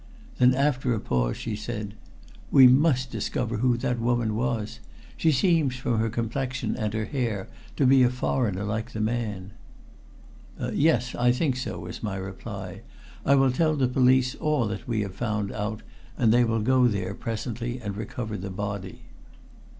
Then after a pause she said: "We must discover who that woman was. She seems, from her complexion and her hair, to be a foreigner, like the man." "Yes, I think so," was my reply. "I will tell the police all that we have found out, and they will go there presently and recover the body."